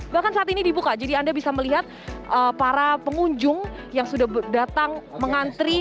bahkan saat ini dibuka jadi anda bisa melihat para pengunjung yang sudah datang mengantri